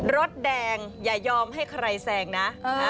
รถแดงอย่ายอมให้ใครแซงนะ